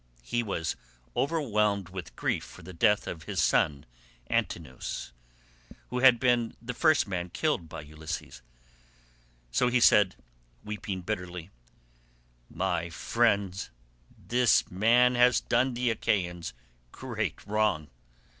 He was overwhelmed with grief for the death of his son Antinous, who had been the first man killed by Ulysses, so he said, weeping bitterly, "My friends, this man has done the Achaeans great wrong.